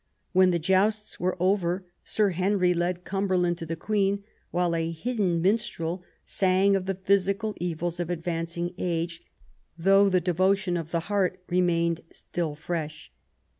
When the jousts were over. Sir Henry led Cumberland to the Queen, while a hidden minstrel sang of the physical evils of advancing age, though the devotion of the heart remained still fresh.